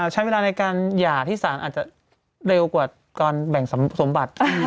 ใช้เวลาในการหย่าที่สารอาจจะเร็วกว่าการแบ่งสมบัติ